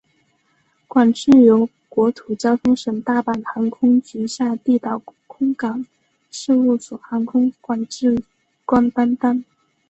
管制由国土交通省大阪航空局下地岛空港事务所航空管制官担当。